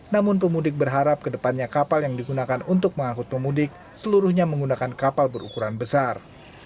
namun pemudik berharap ke depannya kapal yang digunakan untuk mengangkut pemudik seluruhnya menggunakan kapal berukuran besar